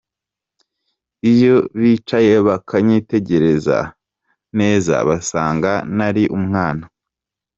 Iyo bicaye bakanyitegereza neza basanga ntari umwana”.